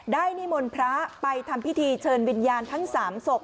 นิมนต์พระไปทำพิธีเชิญวิญญาณทั้ง๓ศพ